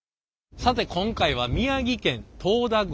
さて今回は宮城県遠田郡